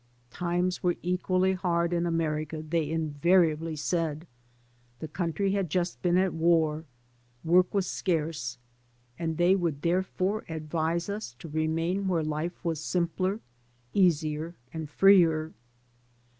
Times were equally hard in America, they invariably said, the country had just been at war, work was scarce, and they would therefore advise us to remain where life was simpler, easier, and freer.